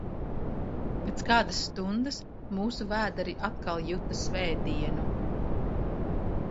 Pēc kādas stundas mūsu vēderi atkal juta svētdienu.